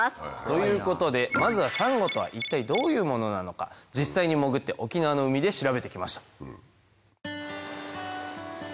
ということでまずはサンゴとは一体どういうものなのか実際に潜って沖縄の海で調べて来ました。